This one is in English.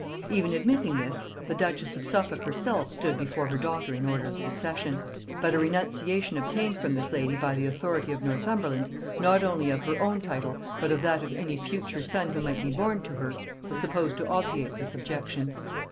Even admitting this, the duchess of Suffolk herself stood before her daughter in order of succession; but a renunciation obtained from this lady by the authority of Northumberland, not only of her own title but of that of any future son who might be born to her, was supposed to obviate this objection.